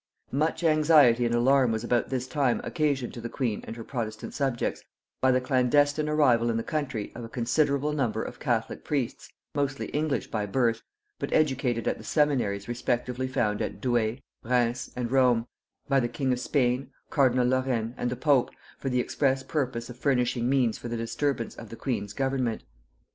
Much anxiety and alarm was about this time occasioned to the queen and her protestant subjects by the clandestine arrival in the country of a considerable number of catholic priests, mostly English by birth, but educated at the seminaries respectively founded at Douay, Rheims, and Rome, by the king of Spain, cardinal Lorrain, and the pope, for the express purpose of furnishing means for the disturbance of the queen's government.